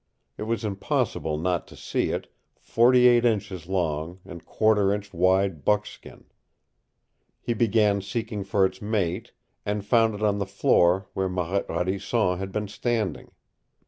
It was impossible not to see it, forty eight inches long and quarter inch wide buckskin. He began seeking for its mate, and found it on the floor where Marette Radisson had been standing.